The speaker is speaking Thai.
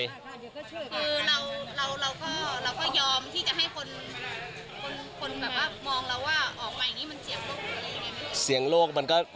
คือเราก็ยอมที่จะให้คนมองเราว่าออกมาอย่างนี้มันเสี่ยงโรคหรืออะไรยังไง